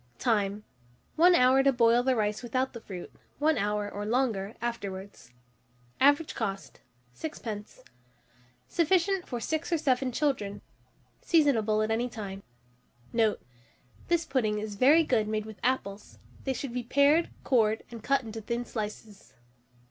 Time. 1 hour to boil the rice without the fruit; 1 hour, or longer, afterwards. Average cost, 6d. Sufficient for 6 or 7 children. Seasonable at any time. Note. This pudding is very good made with apples: they should be pared cored, and cut into thin slices.